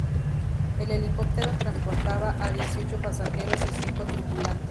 El helicóptero transportaba a dieciocho pasajeros y cinco tripulantes.